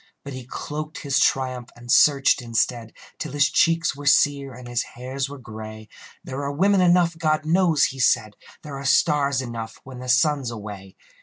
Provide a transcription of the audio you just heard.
But he cloaked his triumph, and searched, instead, Till his cheeks were sere and his hairs were gray. "There are women enough, God knows," he said. ... "There are stars enough when the sun's away."